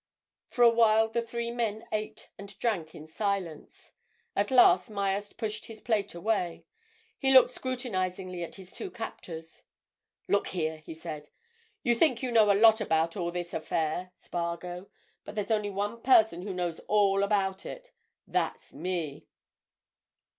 For a while the three men ate and drank in silence. At last Myerst pushed his plate away. He looked scrutinizingly at his two captors. "Look here!" he said. "You think you know a lot about all this affair, Spargo, but there's only one person who knows all about it. That's me!"